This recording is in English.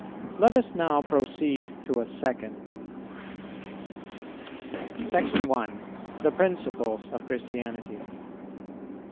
Let us now proceed to a second. § 1. _The Principles of Christianity.